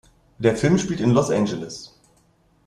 Der Film spielt in Los Angeles.